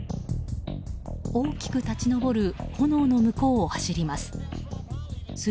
大きく立ち上る炎の向こうを走ります。